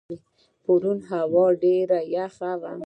پرون هوا یخه وه.